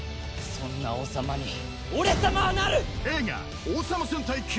そんな王様に俺様はなる！